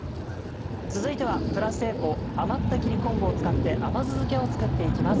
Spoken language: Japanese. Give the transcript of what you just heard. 続いてはプラスエコ余った切り昆布を使って甘酢漬けを作っていきます。